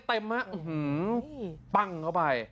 ปั้งเข้าไป